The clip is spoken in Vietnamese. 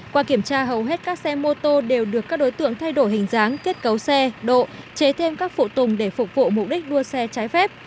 qua kiểm tra hầu hết các xe mô tô đều được các đối tượng thay đổi hình dáng kết cấu xe độ chế thêm các phụ tùng để phục vụ mục đích đua xe trái phép